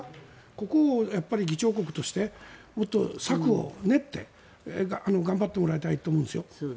ここを議長国としてもっと策を練って頑張ってもらいたいと思います。